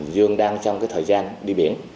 dương đang trong cái thời gian đi biển